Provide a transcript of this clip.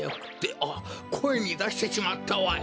あっこえにだしてしまったわい！